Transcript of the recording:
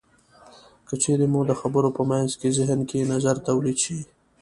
که چېرې مو د خبرو په منځ کې زهن کې نظر تولید شي.